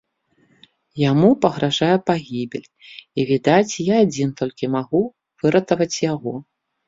Яму пагражае пагібель, і, відаць, я адзін толькі магу выратаваць яго.